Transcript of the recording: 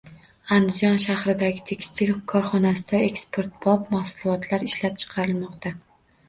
Andijon shahridagi tekstil korxonasida eksportbop mahsulotlar ishlab chiqarilmoqda